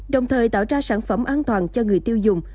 đồng thời tạo ra sản phẩm an toàn cho người tiêu dùng